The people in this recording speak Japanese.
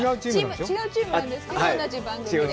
違うチームなんですけど、同じ番組で。